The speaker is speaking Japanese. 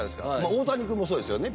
大谷君もそうですよね。